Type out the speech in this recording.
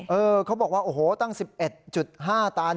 เขาบอกว่าโอ้โหตั้ง๑๑๕ตัน